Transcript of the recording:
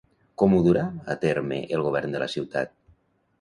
Com ho durà a terme el govern de la ciutat?